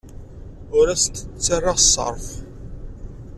Ur asent-d-ttarraɣ ṣṣerf.